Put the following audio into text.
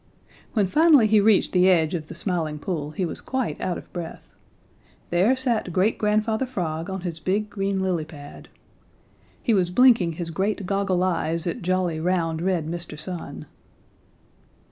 When finally he reached the edge of the Smiling Pool he was quite out of breath. There sat Great Grandfather Frog on his big, green lily pad. He was blinking his great goggle eyes at jolly, round, red Mr. Sun.